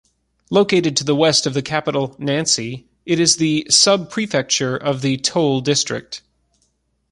Located to the west of the capital Nancy, it is the sub-prefecture of the Toul district.